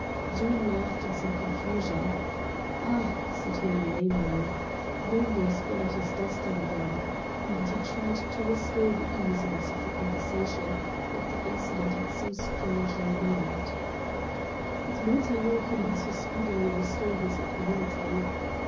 Doom laughed in some confusion. "Ah!" said he, lamely, "Mungo's been at his dusting again," and he tried to restore the easiness of the conversation that the incident had so strangely marred. But Montaiglon could not so speedily restore his equanimity.